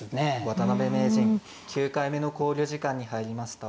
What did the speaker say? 渡辺名人９回目の考慮時間に入りました。